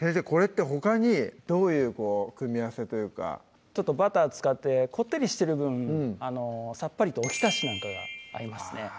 これってほかにどういう組み合わせというかちょっとバター使ってこってりしてる分さっぱりとおひたしなんかが合いますね